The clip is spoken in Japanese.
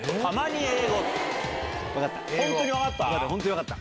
分かった。